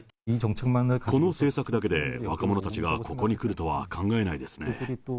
この政策だけで、若者たちがここに来るとは考えないですね。